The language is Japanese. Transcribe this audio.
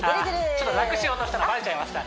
ちょっと楽しようとしたのバレちゃいました？